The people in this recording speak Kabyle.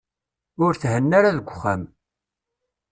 Ur thenna ara deg uxxam.